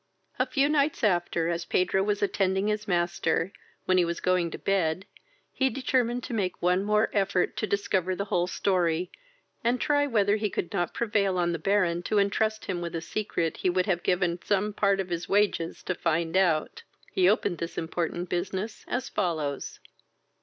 A few nights after, as Pedro was attending his master, when he was going to bed, he determined to make one more effort to discover the whole story, and try whether he could not prevail on the Baron to entrust him with a secret he would have given some part of his wages to find out. He opened this important business as follows.